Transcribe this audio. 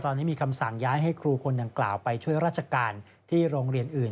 ตอนนี้มีคำสั่งย้ายให้ครูคนดังกล่าวไปช่วยราชการที่โรงเรียนอื่น